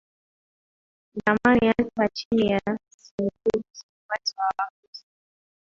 zamani Hata chini ya Seljuks umati wa Wakristo